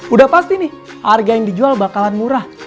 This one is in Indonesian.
udah pasti nih harga yang dijual bakalan murah